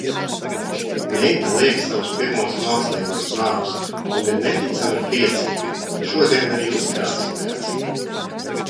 Meita liek savus pirmos mākslīgos nagus. Un ir neticami priecīga. Šodien arī uzkrāsojās.